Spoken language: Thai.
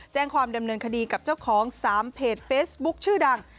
แจ้งความดำเนินคดีกับเจ้าของ๓เพจเฟซบุ๊คชื่อดัง